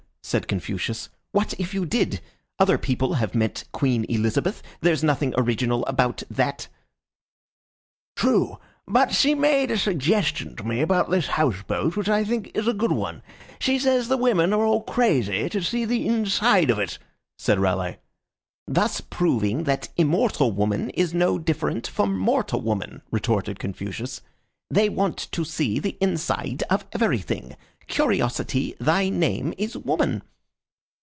said Confucius. "What if you did? Other people have met Queen Elizabeth. There's nothing original about that." "True; but she made a suggestion to me about this house boat which I think is a good one. She says the women are all crazy to see the inside of it," said Raleigh. "Thus proving that immortal woman is no different from mortal woman," retorted Confucius. "They want to see the inside of everything. Curiosity, thy name is woman."